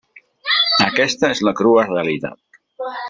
Aquesta és la crua realitat.